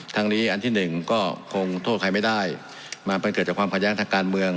ทั้งนี้อันที่หนึ่งก็คงโทษใครไม่ได้มันเกิดจากความขัดแย้งทางการเมือง